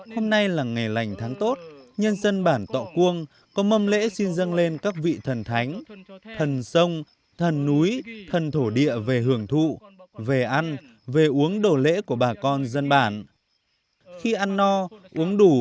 hôm nay là ngày lành tháng tốt nhân dân bản tọa cuông có mâm lễ xin dâng lên các vị thần thánh thần sông thần núi thần thổ địa về hưởng thụ về ăn về uống đồ về ăn về ăn